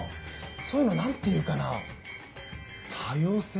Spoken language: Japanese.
そういうの何て言うかな。多様性？